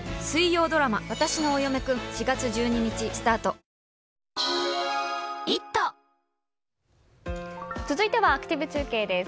ピンポーン続いてはアクティブ中継です。